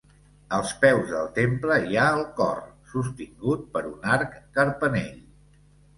Als peus del temple hi ha el cor, sostingut per un arc carpanell.